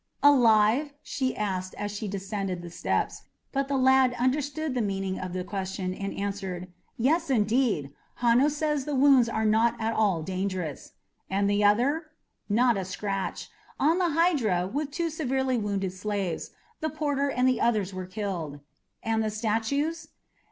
"Alive?" she asked as she descended the steps; but the lad understood the meaning of the question, and exclaimed: "Yes, indeed! Hanno says the wounds are not at all dangerous." "And the other?" "Not a scratch. On the Hydra, with two severely wounded slaves. The porter and the others were killed." "And the statues?"